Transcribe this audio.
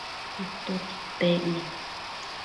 ¿atótsi pec ne?